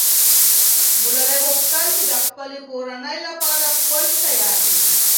ګلالۍ غوښتل چې د خپلې کورنۍ لپاره کوچ تیار کړي.